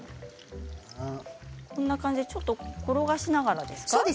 こんな感じで転がしながらですか？